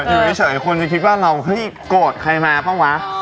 เอออยู่เฉยคนจะคิดว่าเราให้โกรธใครมาปะวะ